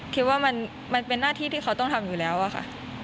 คิดว่ามันเป็นหน้าที่ที่เขาต้องทำอยู่แล้วอะค่ะ